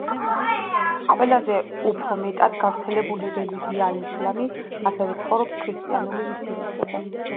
ყველაზე უფრო მეტად გავრცელებული რელიგიაა ისლამი, ასევე ცხოვრობს ქრისტიანული უმცირესობა.